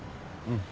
うん。